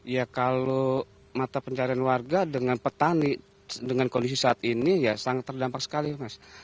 ya kalau mata pencarian warga dengan petani dengan kondisi saat ini ya sangat terdampak sekali mas